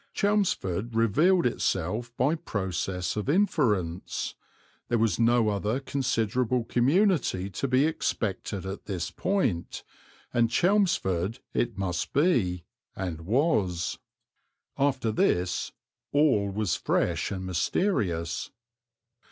Chelmsford revealed itself by process of inference; there was no other considerable community to be expected at this point, and Chelmsford it must be, and was. After this all was fresh and mysterious.